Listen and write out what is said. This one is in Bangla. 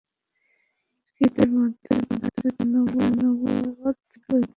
কিতাবীদের মধ্যে তাঁর নবুওত সম্পর্কে ঐকমত্য রয়েছে।